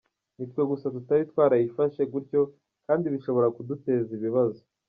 Ni twe gusa tutari twarayifashe gutyo kandi bishobora kuduteza ibibazo.”